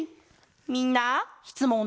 みんなしつもん